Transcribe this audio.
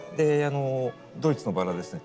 ドイツのバラですね。